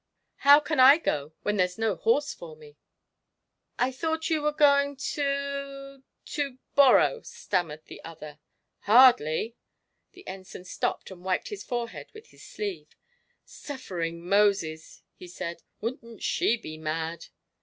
How can I go when there's no horse for me?" "I thought you were going to to borrow," stammered the other. "Hardly!" The Ensign stopped and wiped his forehead with his sleeve. "Suffering Moses!" he said, "wouldn't she be mad!"